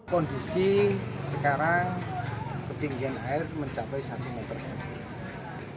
kondisi sekarang ketinggian air mencapai satu meter saja